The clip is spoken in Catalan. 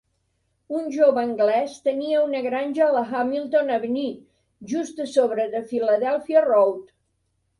Un jove anglès tenia una granja a la Hamilton Avenue, just a sobre de Philadelphia Road.